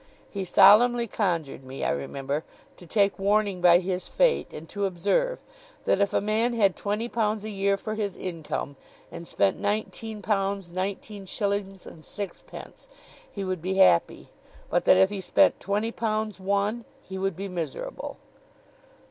He solemnly conjured me, I remember, to take warning by his fate; and to observe that if a man had twenty pounds a year for his income, and spent nineteen pounds nineteen shillings and sixpence, he would be happy, but that if he spent twenty pounds one he would be miserable.